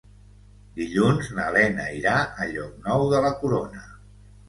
Dilluns na Lena irà a Llocnou de la Corona.